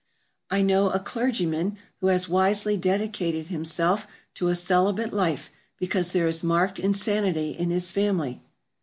I know a clergyman who has wisely dedicated himself to a celibate life because there is marked insanity in his family.